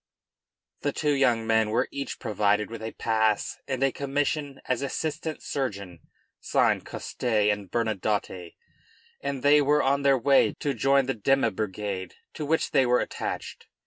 The two young men were each provided with a pass and a commission as assistant surgeon signed Coste and Bernadotte; and they were on their way to join the demi brigade to which they were attached.